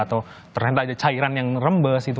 atau ternyata ada cairan yang rembes gitu